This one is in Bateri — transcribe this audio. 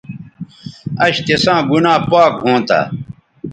اش تساں گنا پاک ھونتہ